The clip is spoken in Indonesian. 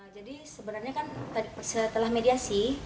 jadi sebenarnya kan setelah mediasi